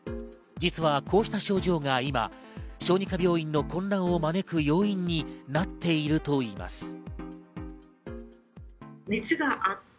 実はこうした症状が今、小児科病院の混乱を招く要因になっているといいます。